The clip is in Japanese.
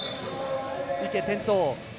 池、転倒。